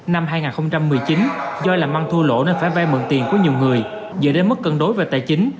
năm hai nghìn một mươi chín do làm ăn thua lỗ nên phải vay mượn tiền của nhiều người dựa đến mức cân đối về tài chính